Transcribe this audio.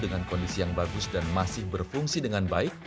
dengan kondisi yang bagus dan masih berfungsi dengan baik